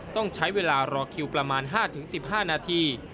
ต้องใช้เวลารอคิวประมาณ๕๑๕นาที